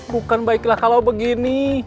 bukan baiklah kalau begini